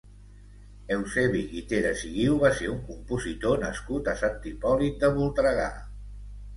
Eusebi Guiteras i Guiu va ser un compositor nascut a Sant Hipòlit de Voltregà.